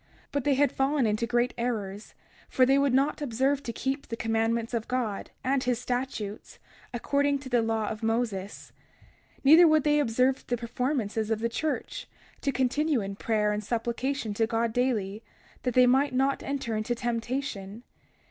31:9 But they had fallen into great errors, for they would not observe to keep the commandments of God, and his statutes, according to the law of Moses. 31:10 Neither would they observe the performances of the church, to continue in prayer and supplication to God daily, that they might not enter into temptation.